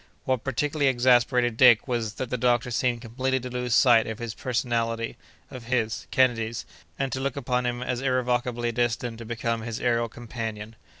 What particularly exasperated Dick was, that the doctor seemed completely to lose sight of his personality—of his—Kennedy's—and to look upon him as irrevocably destined to become his aërial companion.